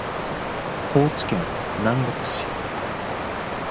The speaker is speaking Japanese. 高知県南国市